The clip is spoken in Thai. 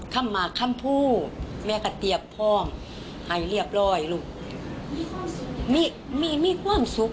ถ้าเราไปห่อเทียนนั้นมันจะออกกันอยู่แล้วลูก